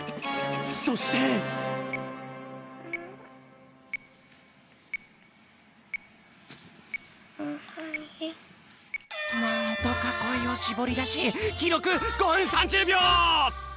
そしてなんとかこえをしぼりだしきろく５分３０秒！